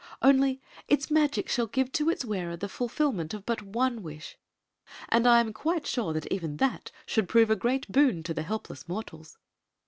Only, its magic shall give to its wearer the fulfilment of but one wish ; and I am quite sure that even that should prove a great boon to the helpless mortals.